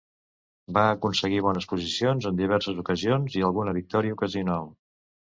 Va aconseguir bones posicions en diverses ocasions i alguna victòria ocasional.